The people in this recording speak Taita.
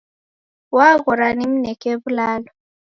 Waghora nimneke w'ulalo